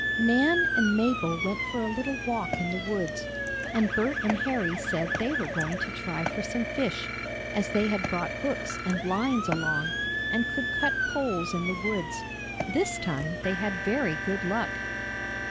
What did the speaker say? Nan and Mabel went for a little walk in the woods, and Bert and Harry said they were going to try for some fish, as they had brought hooks and lines along, and could cut poles in the woods. This time they had very good luck.